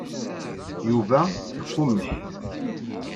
Yuba iqummec.